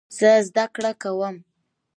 زه زده کړه کوم.